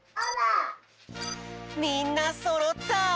みんなそろった！